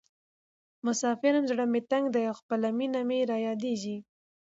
مسافر یم زړه مې تنګ ده او خپله مینه مې رایادیزې.